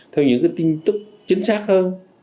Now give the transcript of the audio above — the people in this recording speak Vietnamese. theo những cái tin tức chính xác hơn